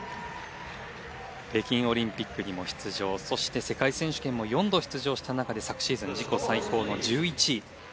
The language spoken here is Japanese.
北京オリンピックにも出場そして世界選手権も４度出場した中で昨シーズン自己最高の１１位。